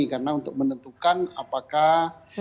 karena untuk menentukan apakah